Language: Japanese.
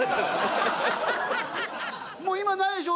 もう今ないでしょ？